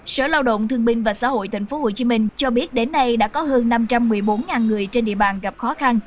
sở lao động thương binh và xã hội tp hcm cho biết đến nay đã có hơn năm trăm một mươi bốn người trên địa bàn gặp khó khăn